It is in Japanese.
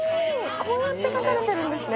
こうやって描かれているんですね。